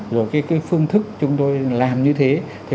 rồi cái phương thức chúng tôi làm như thế